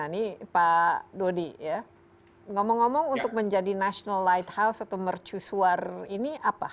ini pak dodi ya ngomong ngomong untuk menjadi national lighthouse atau mercusuar ini apa